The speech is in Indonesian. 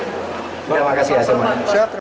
terima kasih ya semuanya